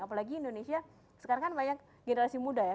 apalagi indonesia sekarang kan banyak generasi muda ya